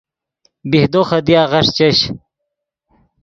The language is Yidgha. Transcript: بیہدو خدیا غیݰ چش